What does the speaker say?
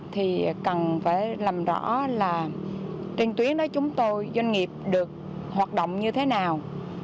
thì cần phải làm rõ là trên tuyến đó chúng tôi doanh nghiệp được hoạt động như thế nào